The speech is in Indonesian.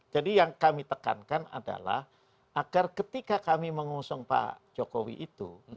jadi yang kami tekankan adalah agar ketika kami mengusung pak jokowi itu